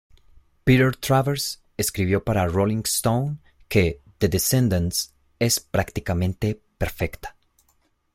Peter Travers escribió para "Rolling Stone" que ""The Descendants" es prácticamente perfecta.